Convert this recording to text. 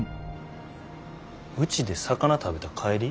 うちで魚食べた帰り？